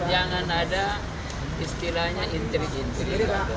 jangan ada istilahnya intri intri